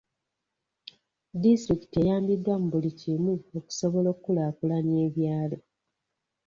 Disitulikiti eyambiddwa mu buli kimu okusobola okukulaakulanya ebyalo.